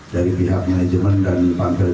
dari pihak manajemen dan pangkel